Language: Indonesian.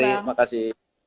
mari terima kasih